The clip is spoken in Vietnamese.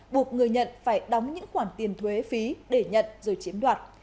buộc người nhận phải đóng những khoản tiền thuế phí để nhận rồi chiếm đoạt